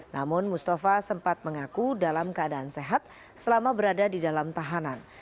namun mustafa sempat mengaku dalam keadaan sehat selama berada di dalam tahanan